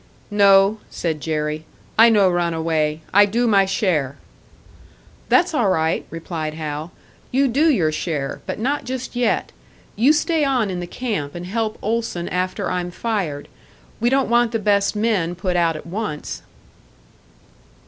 "No!" said Jerry. "I no run, away! I do my share!" "That's all right," replied Hal. "You do your share but not just yet. You stay on in the camp and help Olson after I'm fired. We don't want the best men put out at once."